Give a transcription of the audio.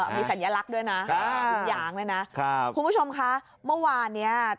มีสัญลักษณ์ด้วยนะทุกอย่างเลยนะครับคุณผู้ชมคะเมื่อวานเนี้ย